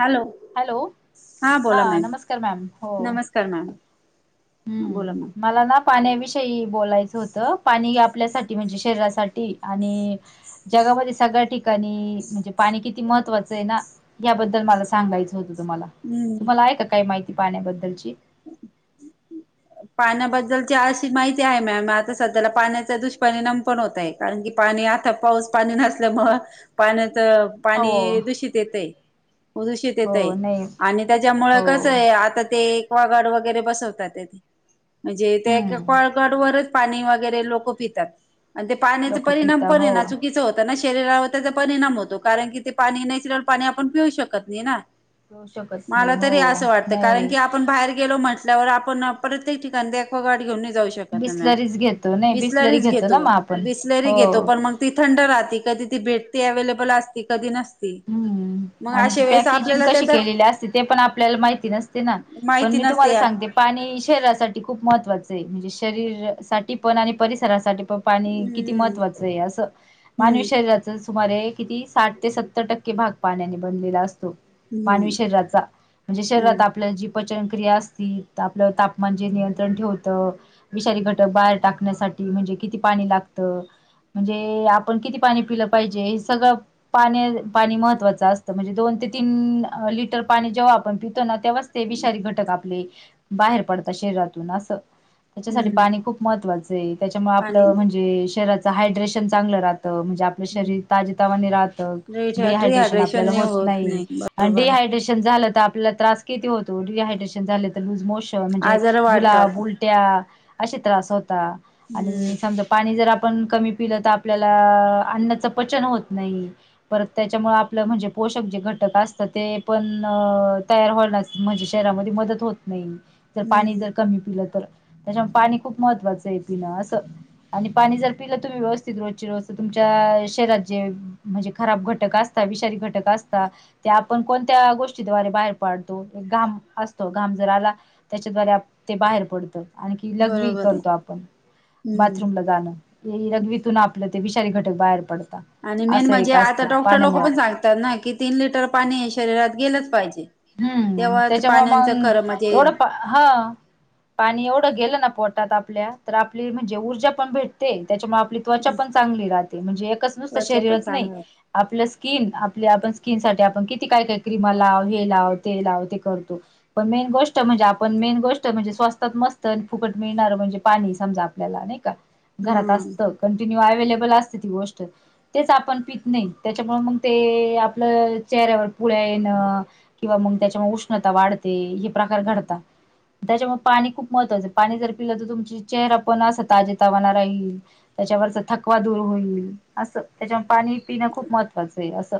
Hello hello हा बोला ma'am नमस्कार मॅम हो नमस्कार मॅम हा बोला हम्म मॅम मला ना पाण्याविषयी बोलायचं होतं पाणी आपल्यासाठी ती म्हणजे शरीरासाठी आणि जगामध्ये सगळ्या ठिकाणी म्हणजे पाणी किती महत्त्वाचं आहे ना. याबद्दल मला सांगायचं होतं तुम्हाला हम्म तुम्हाला आहे का काही माहिती पाहण्याबद्दलची पाण्याबद्दलची अशी माहिती आहे मॅम आता सध्याला पाण्याचा दुष्परिणाम पण होतय. कारण की पाणी आता पाऊस पाणी नसल्यामुळ पाण्याचं हो पाणी दूषित येतय. उदूषित येत हो नाही आणि त्याच्यामुळे हो कसं आहे आता ते एकवा गाड वगैरे बसवतात तेे. म्हणजे त्या हम्म एक्वागार्ड वरच पाणी वगैरे लोक पितात. आणि ते पाण्याच लोक परिणाम पिता पण हो येना चुकीचं होत. ना शरीरावर त्याचा परिणाम होतो कारण कि ते पाणी नॅचरल पाणी आपण पिऊ शकत नाही ना. पिऊ शकत नाही मला हो तरी असं वाटतं कारण नाही की आपण बाहेर गेलो म्हट त्यावर आपण प्रत्येक ठिकाणी ते एक्वागार्ड घेऊन नाही जाऊ शकत. बिसलरीच घेतो नाही बिसलरी घेतो ना मग आपण बिसलरी घेतो हो पण मग. ती थंड राहती कधी ती भेटते अव्हेलेबल असते कधी नसते. हम्म. आणि ती पॅकेजिंग कशी त्याचा केलेली असते ते पण आपल्याला माहिती नसते ना पण माहिती मी नसते तुम्हाला या सांगते. पाणी शरीरासाठी खूप महत्त्वाचं आहे म्हणजे शरीरसाठी पण आणि परिसरासाठी पण पाणी किती हम्म महत्त्वाचं आहे अस मानवी हम्म शरीराच सुमारे किती साठ ते स टक्के भाग पाण्याने बनलेला असतो मानवी हम्म शरीराचा म्हणजे शरीरात हम्म आपल्या जी पचन क्रिया असती आपलं तापमान जे नियंत्रण ठेवतं. विषारी घटक बाहेर टाकण्यासाठी म्हणजे किती पाणी लागतं. म्हणजे आपण किती पाणी पिलं पाहिजे हे सगळं पाण्या पाणी महत्वाचं असतं म्हणजे दोन ते तीन लिटर पाणी जेव्हा आपण प तेव्हाच ते विषारी घटक आपले बाहेर पडतात शरीरातून असं त्याच्यासाठी हम्म पाणी खूप महत्त्वाचं आहे त्याच्यामुळ आणि आपलं म्हणजे शरिरात हायड्रेशन चांगलं राहतं म्हणजे आपलं शरीर ताज तवाने राहतं. डिहायड्रेशन आपल्याला होत नाही आणि डिहाय हायड्रेशन झालं तर आपल्याला त्रास किती होतो डी हायड्रेशन झालं तर लूज मोशन म्हणजे आजार जुलाब वाढतात उलटी त्या असे त्रास होता हम्म आणि समजा. पाणी जर आपण कमी पिलं तर आपल्याला अन्नाचं पचन होत नाही. परत त्याच्यामुळे आपलं म्हणजे पोषक जे घटक असतं ते पण तयार होणार म्हणजे शरीरामध्ये मदत होत नाही जर पाणी हम्म जर कमी पिलं तर. त्याच्यामुळे पाणी खूप महत्त्वाचं आहे पिन असं. आणि पाणी जर पिलं तुम्ही व्यवस्थित रोजची रोज तर तुमच्या शहरात जे म्हणजे खराब घटक असता विषारी घटक असता. ते आपण कोणत्या गोष्टीद्वारे बाहेर पाडतो घाम असतो घाम जर आला. त्याच्याद्वारे ते बाहेर पडतं. आणखी लघवी बरोबर आहे करतो आपण हम्म बाथरूमला जाणं. लगवीतून आपलं ते विषारी घटक बाहेर पडता. आणि मेन असं म्हणजे एक आता असतं डॉक्टर लोक पाण्यामुळं पण सांगतात ना की तीन लिटर पाणी शरीरात गेलंच पाहिजे. हम्म तेव्हाच त्याच्यामुळ पाण्याचं मग खरं म्हणजे एवढं हा पाणी एवढं गेलं ना पोटात आपल्या तर आपली म्हणजे ऊर्जा पण भेटते त्याच्यामुळे आपली त्वचा पन चांगली राहते म्हणजे एकच नुसत त्वचा पण शरीरच नाही. चांगलं आपलं स्किन आपल्या आपण स्किन साठी आपण किती काय काय क्रीमा लाव ह ते लावते लावते करतो पण मेन गोष्ट म्हणजे आपण मेन गोष्ट म्हणजे स्वस्तात मस्त आणि फुकट मिळणारं म्हणजे पाणी समजा आपल्याला नाही का घरात हम्म. असत कंटिन्यू अवेलेबल असते ती गोष्ट तेच आपण पित नाही त्याच्यामुळ मग ते आपलं चेहऱ्यावर पुळ्या येणं किंवा मग त्याच्यामुळे उष्णता वाढते हे प्रकार घडतात त्याच्यामुळ पाणी खूप महत्त्वाचं पाणी जर पिलं तर तुमची चेहर आपण अस ताजे तावाना राहील त्याच्यावरच थकवा दूर होईल असं त्याच्यावर पाणी पिणं खूप महत्त्वाचं आहे असं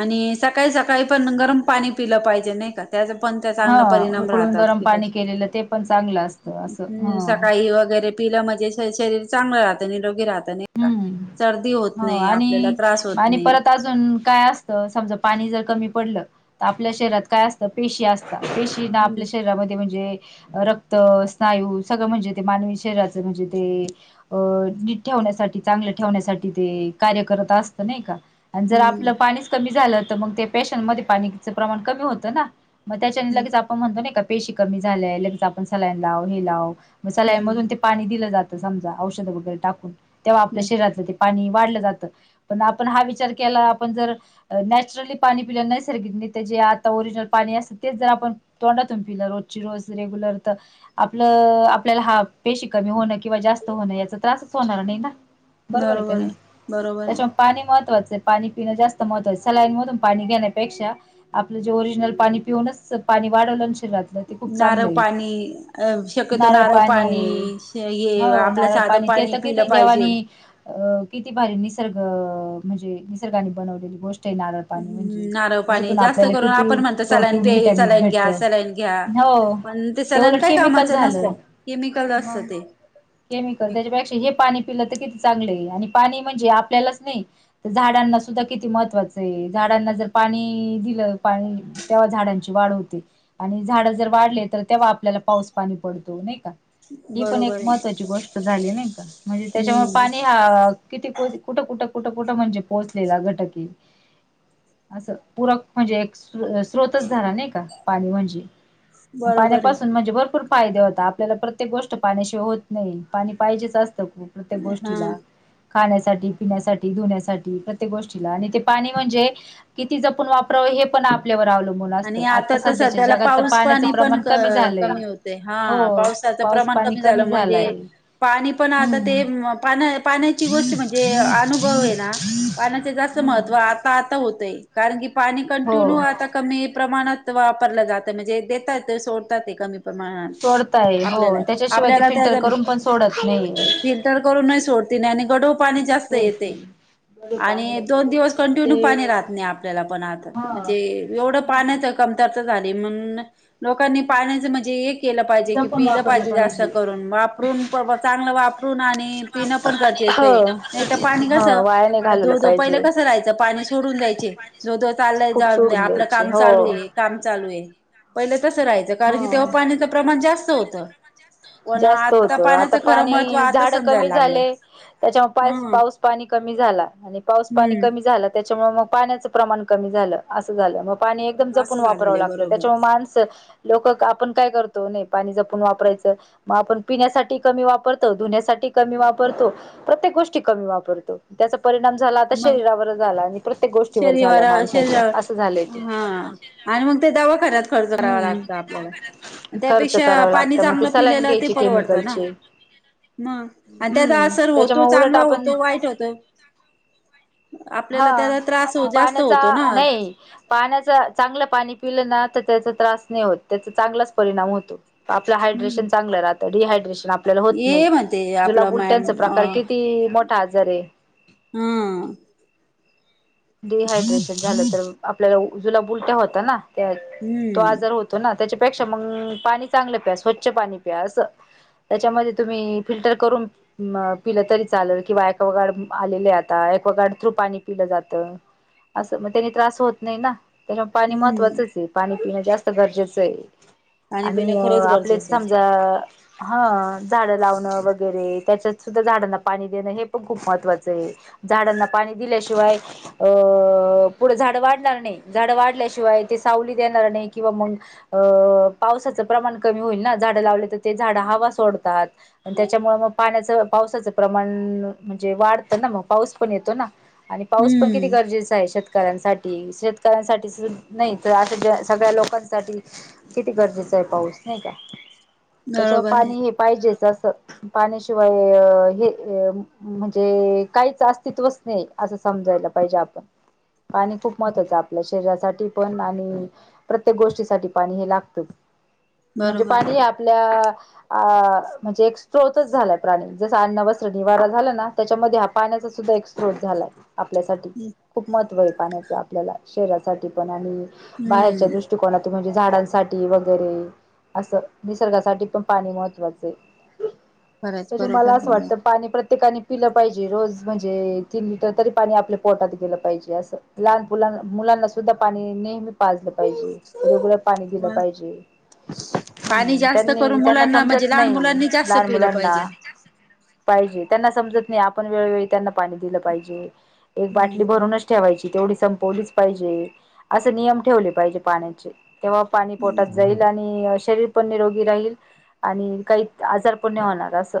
आणि सकाळी सकाळी पण गरम पाणी पिलं पाहिजे नाही का त्याचा पण त्या हा चांगला परिणाम उकळून राहतात गरम कि हम पाणी केलेलं ते पण चांगलं असतं असं ह सकाळी वगैरे पिलं म्हणजे शरी शरीर चांगलं राहतं निरोगी राहतं हम्म. सर्दी होत हो नाही आपल्याला आणि त्रास होत आणि नाही परत काय असत समजा पाणी जर कमी पडल तर आपल्या शरीरात काय असत पेशी असत पेशी जी ना हम्म आपल्या शरीरामध्ये म्हणजे रक्त स्नायू सगळं म्हणजे ते मानवी शरीरात म्हणजे ते अ ठेवण्यासाठी चांगलं ठेवण्यासाठी ते कार्य करत असत नाही का आणि जर आपलं हम्म पाणीच कमी झाल तर ते मग पेशन मध्ये पण पाणीच प्रमाण कमी होत ना मग त्याच्याने हम्म लगेच आपण म्हणतो नाही का पेशी कमी झालंय लगेच आपण सलाईन लाव हे लाव मग हम्म. सलाईनमधून ते - पाणी दिलं जातं समजा औषध वगैरे टाकून तेव्हा आपल्या हम्म शरीरातलं ते पाणी वाढलं जातं पण आपण हा विचार केला आपण जर नॅचरली पाणी पिला नैसर्गिक नाही तर जे आता ओरिजिनल पाणी असतं तेच जर आपण तोंडातुन पिल रोजच्या रोज रेगुलर तर आपलं आपल्याला हा पेशी कमी होणं किंवा जास्त होणं याचा त्रासच होणार नाही ना बरोबर आहे का नाही त्याच्या - पाणी महत्त्वाचं आहे पाणी पिण जास्त महत्त्वाचं सलाईनमधून पाणी घेण्यापेक्षा आपलं जे ओरिजिनल पाणी पिऊनच पाणी वाढवलं न शरीरातलं ते खूप नारळ चांगलं आहे पाणी नारळ पाणी हे हो आपलं नारळ साधं पाणी ते तर पिलं किती पाहिजे. देवानी अ किती भारी निसर्ग म्हणजे निसर्गाने बनवलेली गोष्ट जारळ पाणी म्हणजे नारळ पाणी त्याच्यातून जास्त आपल्याला करून किती आपण म्हणतो सलाईन प्रोटीन पे विटॅमिन्स सलाईन भेटत घ्या सलाईन घ्या. हो पण ते सलाईण उलट काय केमिकल कामाच नसत झालं केमिकल मग असत ते केमिकल त्याच्यापेक्षा हे पाणी पिलं तर किती चांगलय आहे आणि पाणी म्हणजे आपल्यालाच नाई तर झाडांना सुद्धा किती महत्त्वाचं आहे झाडांना जर पाणी दिलं पाणी तेव्हा झाडांची वाढ होते आणि झाड जर वाढले तर तेव्हा आपल्याला पाऊस पाणी पडतो नाही का ही पण एक बरोबर आहे महत्त्वाची गोष्ट झाली नाही का म्हणजे त्याच्यामुळ हम्म पाणी अ किती कुठं कुठं कुठं कुठं म्हणजे पोहोचलेला घटक आहे असं पूरक म्हणजे स्रोतच झाला नाही का पाणी म्हणजे बरोबर आहे पाण्यापासून म्हणजे भरपूर फायदे होता आपल्याला प्रत्येक गोष्ट पाण्याशिवाय होत नाही पाणी पाहिजेच असतं खुप प्रत्येक हा. गोष्टीला खाण्यासाठी, पिण्यासाठी, धुण्यासाठी प्रत्येक गोष्टीला आणि ते पाणी म्हणजे किती जपून वापरावं हे पण आपल्यावर आवलं आणि आता तर सध्याला पाऊस पाणी पण प्रमाण क कमी झालंय कमी होते. हा हो पाऊस त्याच प्रमाण पाणी कमी झालं झालाय म्हणजे. पाणी पण आता ते हम्म पाण पाण्याची गोष्ट म्हणजे अनुभव आहे ना. पाण्याचे जास्त महत्त्व हम्म आता आता होतय कारण की पाणी कंटिन्यू हो आता कमी प्रमाणात वापरलं जातं म्हणजे देतात सोडतात ते कमी मा सोडताय हो आपल्याला त्याच्याशिवाय ते आपल्याला त्या फिल्टर जा करून पण सोडत नाही. फील फिल्टर करून नाही सोडते नाही आणि गढूळ पाणी जास्त येतेय गढूळ पाणी आणि दोन येतय दिवस त्याच्यामुळे कंटिन्यू पाणी ते राहत नाही आपल्याला पण आता हा म्हणजे एवढं पाण्याच कमतरता झाली म्हणून लोकांनी पाण्याचं म्हणजे एक केलं पाहिजे की जपून पिलं वापरलं पाहिजे जास्त करून वापरून प चांगलं वापरून आणि पिणं पण गरजेच आहे नाही तर पाणी कसं हो वाया नाही घालवलं दो, दो पाहिजे. पहिलं कसं राहायचं पाणी सोडून द्यायचे. धो, धो चाललाय खूप जाऊन सोडून आपलं द्यायचे काम चालू हो. आहे काम चालू आहे पहिले तस राहायचं चालू कारण की तेव्हा पाण्याचं प्रमाण जास्त होत. जास्त होत आता महत्त्व पाणी आता झाड समजायला कमी लागलंय झाले. त्याच्यामुळे पा हम्म पाऊस पाणी कमी झाला आणि पाऊस पाणी कमी हम्म झाला. त्याच्यामुळे मग पाण्याचं प्रमाण कमी झालं असं झालं मगं पाणी एकदम जपून असं वापरावं झालेलं आहे लागतं बरोबर त्याच्यामुळे माणसं लोक आपण काय करतो नाही पाणी जपून वापरायचं. मग आपण पिण्यासाठी कमी वापरतो, धुण्यासाठी कमी वापरतो. प्रत्येक गोष्टी कमी वापरतो त्याचा परिणाम झाला आता मग शरीरावर झाला आणि प्रत्येक गोष्टीवर झालाय शनिवारा माणसाच्या शरीरावर असं झालंय ते. हा आणि मग ते दवाखण्यात खर्च करावा हम्म लागतो आपल्याला. खर्च त्यापेक्षा करावं पाणी लागतं मग ते चांगलं सलाईन पिलेला ते घ्यायचे परवडतं ना. केमिकलचे म आणि त्याचा हम्म असर होतो त्याच्यामुळे उलट चांगला आपण होतो वाईट होतो. हा आपल्याला त्याचा त्रास हो जास्त पाण्याचा होतो ना नाही. पाण्याच चांगलं पाणी पिलं ना तर त्याचा त्रास नाही होत त्याचा चांगलाच परिणाम होतो. आपलं हम्म हयड्रेशन चांगलं राहत डिहायड्रेशन आप आपल्याला होत नाही ये म्हणते आपलं जुलाब, मॅम अ उलट्यांचा हा प्रकार किती मोठा आजार आहे. हा. डिहायड्रेशन झालं तर आपल्याला जुलाब, उलट्या होत ना तो आजार होत ना त्याच्यापेक्षा मग पाणी चांगलं प्या स्वच्छ, पाणी प्या असं. त्याच्यामध्ये तुम्ही फिल्टर करून अ पिलं तरी चालेल किंवा एक्वागाड आले आता एक एक्वागाड थ्रू पाणी पिलं जात असं मग त्यानी त्रास होत नाही ना त्याच्यामुळे पाणी हम्म महत्त्वाचंच आहे. पाणी पिणं जास्त गरजेचं आहे पाणी पिणं आणि खरंच आपलेच गरजेचं आहे समजा हा झाडं लावणं वगैरे त्याच्यात सुद्धा झाडांना पाणी देणं हे पण खूप महत्त्वाचं आहे. झाडांना पाणी दिल्याशिवाय अ अ पुढं झाड वाढणार नाही झाड वाढल्याशिवाय ते सावली देणार नाही किंवा मगं अ पावसाचं प्रमाण कमी होईल ना झाडं लावले तर ते झाड हवा सोडतात. आणि त्याच्यामुळ मग पाण्याचं पावसाचं प्रमाण म्हणजे वाढतं ना मग पाऊस पण येतो ना. आणि पाऊस हम्म गरजेच आहे शेतकऱ्यांसाठी शेतकऱ्यांसाठी नाही तर आ सगळ्या लोकांसाठी किती गरजेचं आहे पाऊस नाही का त्याच्यामुळे बरोबर आहे पाणी हे पाहिजेच असं पाण्याशिवाय हे म्हणजे काहीच अस्तित्वच नाही असं समजायला जे आपण खूप महत्त्वाच आपल्या शरीरासाठी पण आणि प्रत्येक गोष्टीसाठी पाणी हे लागतच. म्हणजे बरोबर आहे पाहिली आपल्या अ म्हणजे एक स्त्रोतच झालाय प्राणी जस अन्न वस्र निवारा झाला ना त्याच्यामध्ये हा पाण्याचा सुद्धा एक स्त्रोत झालाय आपल्यासाठी हं. खूप महत्त्व आहे पाण्याच आपल्याला शरीरासाठी पण आणि बाहेरच्या हम्म दृष्ट [unintelligible] त म्हणजे झाडांसाठी वगैरे असं निसर्गासाठी पण पाणी महत्त्वाचं आहे. खरंच त्याच्यमुळ मला बरोबर असं बोललात वाटतं पाणी प्रत्येकानी पिलं पाहिजे रोज म्हणजे तीन लिटर तरी पाणी आपलं पोटात गेलं पाहिजे असं लहान मुलां मुलांना सुद्धा पाणी नेहमी पाजलं पाहिजे. वेगळं पाणी दिलं मग पाहिजे. पाणी हम्म जास्त त्यांनी करून त्यांना मुलांना म्हणजे समजत लहान नाही मुलांनी जास्त लहान पिलं मुलांना पाहिजे. पाजे त्यांना समजत नाही आपण वेळवेळी त्यांना पाणी दिलं पाहिजे एक बाटली हम्म भरूनच. ठेवायची तेवढी संपवलीच पाहिजे असे नियम ठेवले पाहिजे पाण्याचे तेव्हा पाणी पोटात हम्म जाईल आणि शरीर पण निरोगी राहील आणि काही आजार पण्य होणार असं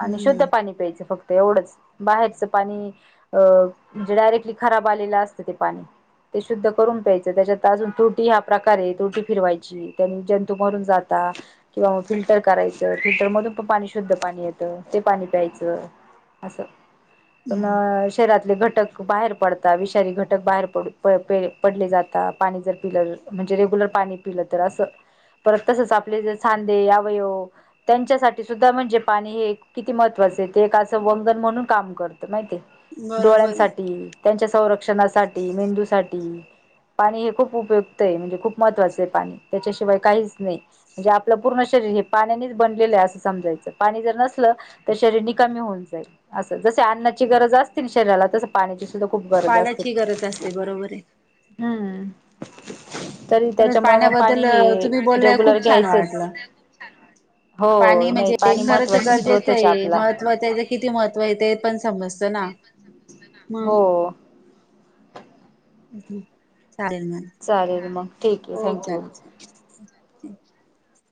आणि शुद्ध हम्म पाणी प्यायचं फक्त एवढंच बाहेरचं पाणी अ म्हणजे डायरेक्टली खराब आलेलं असतं ते पाणी ते शुद्ध करून प्यायचं त्याच्यात अजून त्रुी हा प्रकार आहे त्रटी फिरवायची त्यांनी जंतू मारून जाता किंवा मग फिल्टर करायचं फिल्टर मधून पण पाणी शुद्ध पाणी येतं ते पाणी प्यायचं असं प शहरातले घटक बाहेर पडत विषारी घटक बाहेर पड पे पडले जातात पाणी जर पिलं म्हणजे रेग्युलर पाणी पिलं तर असं परत तसच आपले जे सांदे अवयव त्यांच्यासाठी सुद्धा म्हणजे पाणी हे किती महत्त्वाचं आहे ते एक असं वंगन म्हणून काम करतं माहिती बरोबर आहे. डोळ्यांसाठी त्यांच्या संरक्षणासाठी मेंदूसाठी पाणी हे खूप उपयुक्त आहे म्हणजे खूप महत्त्वाचं आहे पाणी त्याच्याशिवाय काहीच नाही म्हणजे आपलं पूर्ण शरीर हे पाण्यानेच बनलेलं आहे असं समजायचं पाणी जर नसलं तर शरीर निकमी होऊन जाईल असं जस अ्नाची गरज असतील शरीराला तस पाण्याची सुद्धा खूप गरज असते पाण्याची गरज असते बरोबर आहे. हम्म तरी खरंच त्याच्यामुळे मग पाणी पाण्याबद्दल हे तुम्ही बोललाय रेग्युलर खूप छान घ्यायचच वाटलं. हो पाणी नाही म्हणजे पाणी खरंच महत्त्वाचं गरजेचं स््रोतच आहे आपला महत्त्व त्याचं किती महत्त्व येत पण समजत ना मग हो चालेल म चालेल र मग ठीक आहे थँक्यू